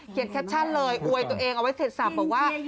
เขียนแครชั่นเลยอวยตัวเองเอาไว้เสร็จสรรค์บอกว่า